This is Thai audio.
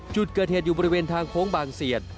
จุดเกิดเหตุอยู่บริเวณทางโค้งบางเสียด